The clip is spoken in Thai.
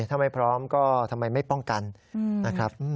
ถ้าไม่พร้อมก็ทำไมไม่ป้องกันนะครับ